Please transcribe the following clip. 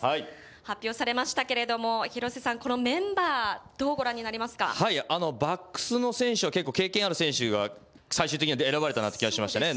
発表されましたけれども、廣瀬さん、このメンバー、どうご覧になバックスの選手は、結構経験ある選手が最終的には選ばれたなって気がしましたね。